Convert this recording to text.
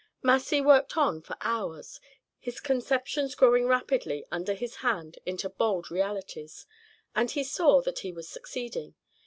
Massy worked on for hours; his conceptions grew rapidly under his hand into bold realities, and he saw that he was succeeding.